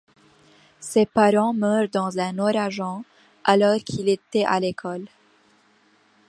Ses parents meurent dans un ouragan alors qu'il est à l'école.